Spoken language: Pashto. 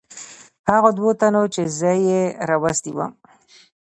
هغو دوو تنو چې زه یې راوستی ووم.